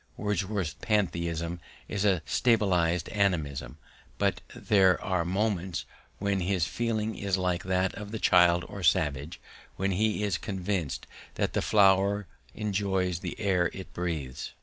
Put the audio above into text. Wordsworth's pantheism is a subtilized animism, but there are moments when his feeling is like that of the child or savage when he is convinced that the flower enjoys the air it breathes.